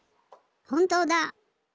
ほんとうだ！